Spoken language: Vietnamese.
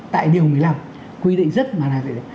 tại điều một mươi năm quy định rất là cụ thể